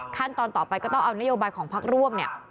ขั้นตอนต่อไปก็ต้องเอานโยบายของพักร่วมเนี่ย